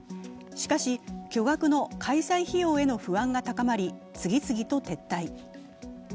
しかし、巨額の開催費用への不安が高まり、次々と撤退。